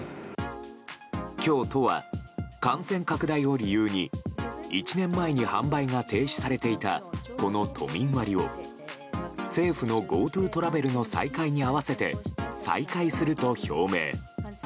今日、都は感染拡大を理由に１年前に販売が停止されていたこの都民割を政府のＧｏＴｏトラベルの再開に合わせて再開すると表明。